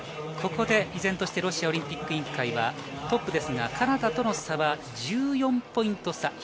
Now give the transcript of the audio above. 依然としてロシアオリンピック委員会はトップですが、カナダとの差は１４ポイント差。